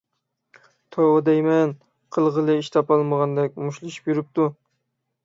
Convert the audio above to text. توۋا دەيمەن! قىلغىلى ئىش تاپالمىغاندەك مۇشتلىشىپ يۈرۈپتۇ.